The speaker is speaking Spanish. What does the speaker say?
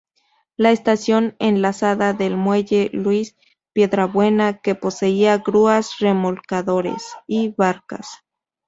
La estación enlazaba al muelle Luis Piedrabuena, que poseía grúas, remolcadores y barcas.